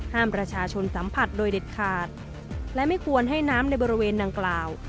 ประชาชนสัมผัสโดยเด็ดขาดและไม่ควรให้น้ำในบริเวณดังกล่าว